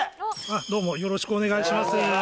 あどうもよろしくお願いします